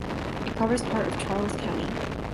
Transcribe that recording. It covers part of Charles County.